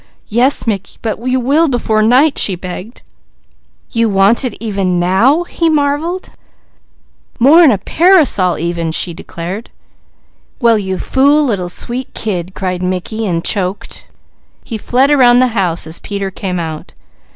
"Yes Mickey, but you will before night?" she begged. "You want it even now?" he marvelled. "More 'an the passol, even!" she declared. "Well you fool little sweet kid!" cried Mickey and choked. He fled around the house as Peter came out.